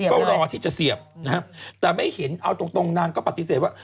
ก็รอที่จะเสียบนะครับแต่ไม่เห็นเอาตรงนางก็ปฏิเสธว่า